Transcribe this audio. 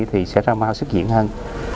thì sẽ ra mau xuất diện hơn